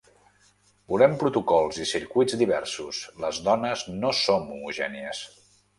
Volem protocols i circuits diversos, les dones no som homogènies.